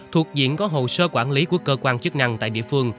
thuộc diện có hồ sơ quản lý của cơ quan chức năng tại địa phương